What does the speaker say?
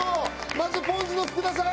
まずポンズの福田さん。